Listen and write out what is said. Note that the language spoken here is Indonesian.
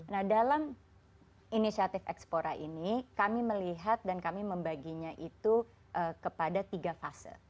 nah dalam inisiatif expora ini kami melihat dan kami membaginya itu kepada tiga fase